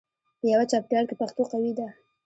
په یوه چاپېریال کې پښتو قوي ده.